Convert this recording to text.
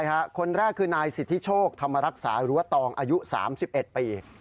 คนแรกคือนายสิทธิโชคธรรมรักษาหรือว่าตองอายุ๓๑ปี